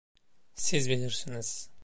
Siz bilirsiniz!